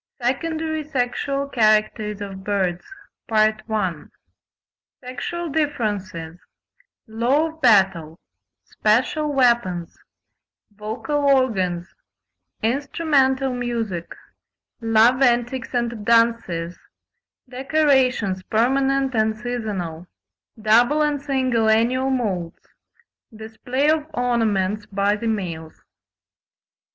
SECONDARY SEXUAL CHARACTERS OF BIRDS. Sexual differences—Law of battle—Special weapons—Vocal organs—Instrumental music—Love antics and dances—Decorations, permanent and seasonal—Double and single annual moults—Display of ornaments by the males.